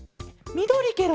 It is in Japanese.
みどりケロ？